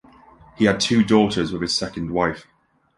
He had two daughters with his second wife.